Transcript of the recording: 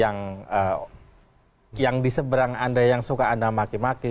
yang diseberang anda yang suka anda maki maki